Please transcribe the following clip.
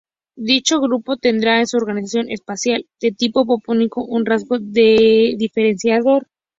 Dicho grupo tendrá en su organización espacial de tipo panóptico su rasgo diferenciador.